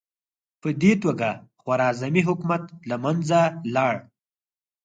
په دې توګه خوارزمي حکومت له منځه لاړ.